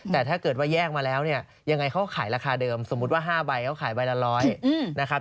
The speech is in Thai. แต่ถ้าเกิดว่าแยกมาแล้วเนี่ยยังไงเขาขายราคาเดิมสมมุติว่า๕ใบเขาขายใบละ๑๐๐นะครับ